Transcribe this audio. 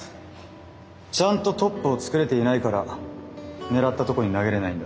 ちゃんとトップを作れていないから狙ったとこに投げれないんだ。